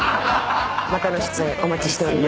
またの出演お待ちしております。